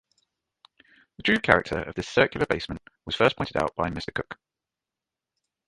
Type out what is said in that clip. The true character of this circular basement was first pointed out by Mr. Cook.